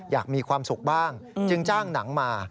อยากมีความสุขบ้างจึงจ้างหนังมา